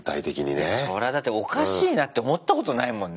そらあだっておかしいなって思ったことないもんね